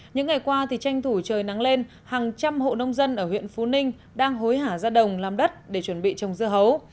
những ngày qua thì tranh thủ trời nắng lên hàng trăm hộ nông dân ở huyện phú ninh đang hối hả ra đồng làm đất để chuẩn bị trồng dưa hấu